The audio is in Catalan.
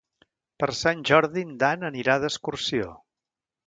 Per Sant Jordi en Dan anirà d'excursió.